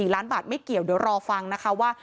๔ล้านบาทไม่เกี่ยวเดี๋ยวรอฟังนะคะว่า